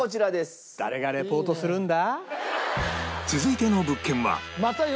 いや誰がリポートするんだ？